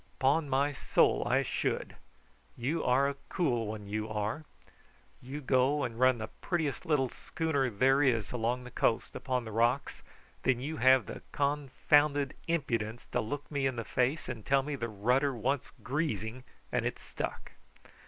'Pon my soul I should. You are a cool one, you are. You go and run the prettiest little schooner there is along the coast upon the rocks, and then you have the confounded impudence to look me in the face and tell me the rudder wants greasing and it stuck."